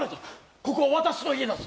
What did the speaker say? ここは私の家だぞ？